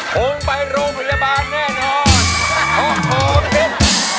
พงไปโรงพยาบาลแน่นอน